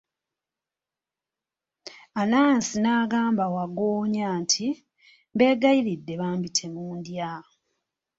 Anansi n'agamba wagggoonya nti, mbegayiridde bambi temundya!